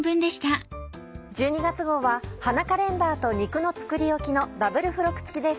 １２月号は花カレンダーと「肉の作りおき」のダブル付録付きです。